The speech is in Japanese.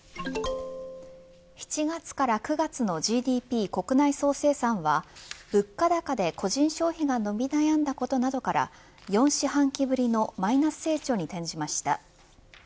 ７月から９月のＧＤＰ国内総生産は物価高で個人消費が伸び悩んだことなどから４四半期ぶりのマイナス成長に転じました。